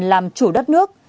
làm chủ đất nước